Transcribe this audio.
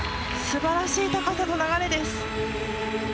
すばらしい高さと流れです。